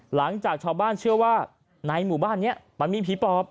หลังจากชาวบ้านเชื่อว่าในหมู่บ้านนี้มันมีผีปอบ